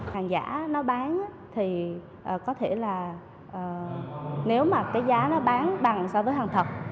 hàng giả nó bán thì có thể là nếu mà cái giá nó bán bằng so với hàng thật